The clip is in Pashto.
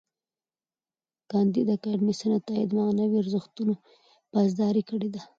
کانديد اکاډميسن عطایي د معنوي ارزښتونو پاسداري کړې ده.